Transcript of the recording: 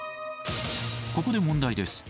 ここで問題です。